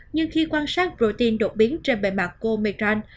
nhưng khi quan sát protein đột biến trên bề mặt của omicron